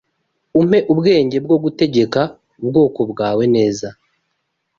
Umpe ubwenge bwo gutegeka ubwoko bwawe neza.’